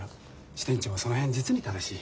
支店長はその辺実に正しい。